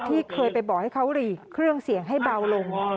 ที่เคยไปบอกให้เขาหลีกเครื่องเสียงให้เบาลง